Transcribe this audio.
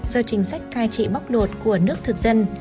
do chính sách cai trị bóc lột của nước thực dân